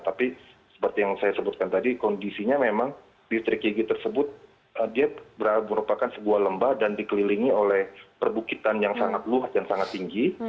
tapi seperti yang saya sebutkan tadi kondisinya memang distrik yigi tersebut dia merupakan sebuah lembah dan dikelilingi oleh perbukitan yang sangat luas dan sangat tinggi